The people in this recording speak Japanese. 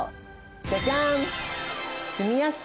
ジャジャン。